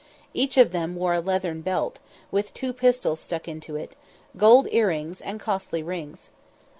Each of them wore a leathern belt with two pistols stuck into it gold earrings, and costly rings.